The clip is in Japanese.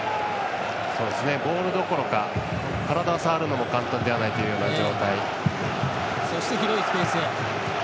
ボールどころか体を触るのも簡単ではないというような状態。